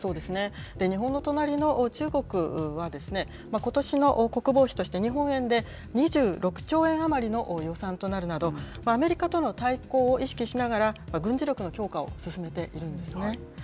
日本の隣の中国は、ことしの国防費として、日本円で２６兆円余りの予算となるなど、アメリカとの対抗を意識しながら、軍事力の強化を進めているんですね。